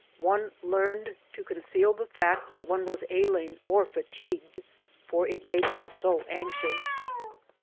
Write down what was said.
One learned to conceal the fact that one was ailing or fatigued, for it made them so anxious.